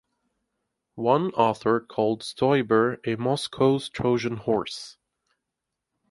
One author called Stoiber a "Moscow's Trojan Horse".